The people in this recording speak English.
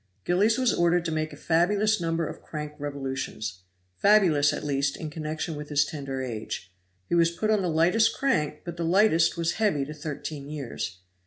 Gillies was ordered to make a fabulous number of crank revolutions fabulous, at least, in connection with his tender age; he was put on the lightest crank, but the lightest was heavy to thirteen years.